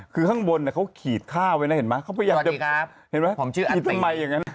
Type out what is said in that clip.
คือข้างบนเขาขีดค่าไว้นะเห็นปะเค้าพยายามจะ